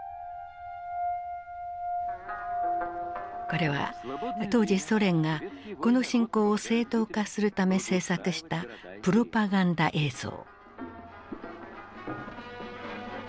これは当時ソ連がこの侵攻を正当化するため制作したプロパガンダ映像。